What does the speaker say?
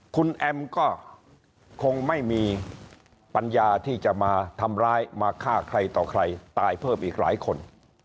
คุณแอมก็คงไม่มีปัญญาที่จะมาทำร้ายมาฆ่าใครต่อใครตายเพิ่มอีกหลายคน